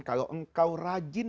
kalau engkau rajin